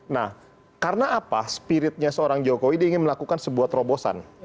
nah karena apa spiritnya seorang jokowi dia ingin melakukan sebuah terobosan